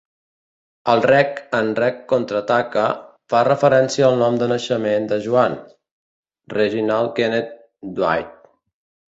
El "reg" en "reg contraataca" fa referència al nom de naixement de Joan, Reginald Kenneth Dwight.